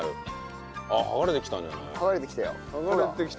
あっ剥がれてきたんじゃない？